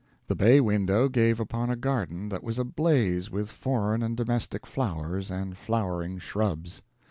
The bay window gave upon a garden that was ablaze with foreign and domestic flowers and flowering shrubs.